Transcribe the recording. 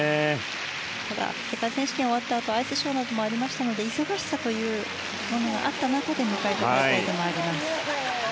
ただ、世界選手権が終わったあとアイスショーなどありましたので忙しさというものがあった中で迎えた大会でもあります。